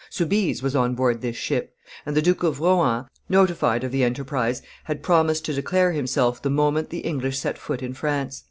Soubise was on board his ship; and the Duke of Rohan, notified of the enterprise, had promised to declare himself the moment the English set foot in France.